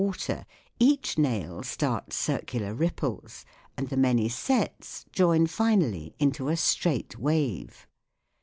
water, each nail starts circular ripples, and the many sets join finally into a straight wave.